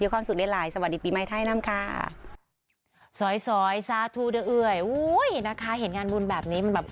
มีความสุขได้หลายสวัสดีปีไม่ไทยนะครับ